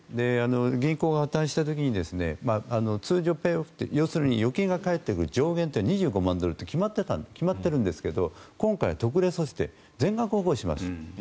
銀行が破たんした時に通常ペイオフという要するに預金が返ってくる上限って２５万ドルって決まってるんですが決まってるんですけど今回は特例措置で全額保護しますと。